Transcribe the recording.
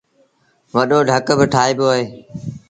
وڏو ڍڪ با ٺآئيٚبو اهي۔